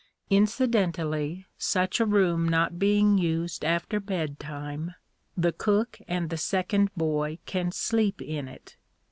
Incidentally, such a room not being used after bedtime, the cook and the second boy can sleep in it.